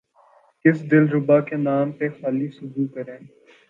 کس دل ربا کے نام پہ خالی سبو کریں